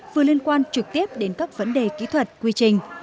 vừa liên quan trực tiếp đến các vấn đề kỹ thuật quy trình